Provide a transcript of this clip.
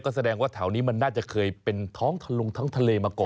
แสดงว่าแถวนี้มันน่าจะเคยเป็นท้องทะลุงทั้งทะเลมาก่อน